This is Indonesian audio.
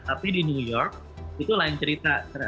tapi di new york itu lain cerita